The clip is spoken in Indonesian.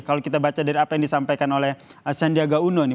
kalau kita baca dari apa yang disampaikan oleh sandiaga uno